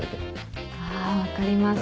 あっ分かります。